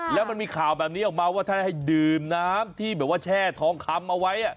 แล้วมันมีข่าวแบบนี้ออกมาว่าท่านให้ดื่มน้ำที่แบบว่าแช่ทองคำเอาไว้